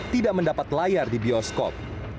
tidak mendapat layar di bioskop